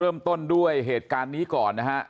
เริ่มต้นด้วยเหตุการณ์นี้ก่อนนะฮะ